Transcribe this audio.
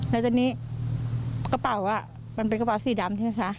แล้วตอนนี้กระเป๋ามันเป็นกระเป๋าสีดำใช่ไหมคะ